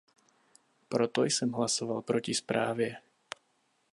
Proto jsem hlasoval proti zprávě.